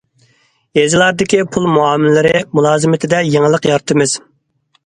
يېزىلاردىكى پۇل مۇئامىلىلىرى مۇلازىمىتىدە يېڭىلىق يارىتىمىز.